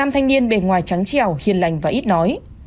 năm thanh niên bề ngoài trắng trèo hiền lành và ít nói